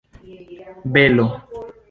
belo